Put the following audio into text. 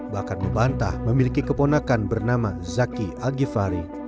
bahkan membantah memiliki keponakan bernama zaki al gifari